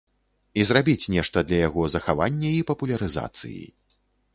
І зрабіць нешта для яго захавання і папулярызацыі.